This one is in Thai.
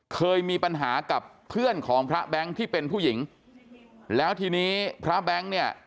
เคยมีปัญหากับเพื่อนของพระแบงค์ที่เป็นผู้หญิงแล้วทีนี้พระแบงค์เนี่ย